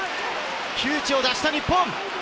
窮地を脱した日本。